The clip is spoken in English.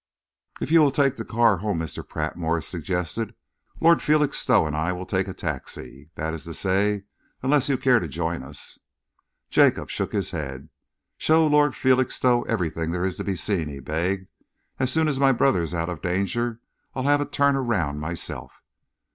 "If you will take the car home, Mr. Pratt," Morse suggested, "Lord Felixstowe and I will take a taxi that is to say, unless you care to join us." Jacob shook his head. "Show Lord Felixstowe everything there is to be seen," he begged. "As soon as my brother is out of danger, I'll have a turn around myself."